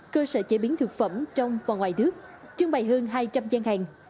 cơ sở chế biến thực phẩm trong và ngoài nước trưng bày hơn hai trăm linh gian hàng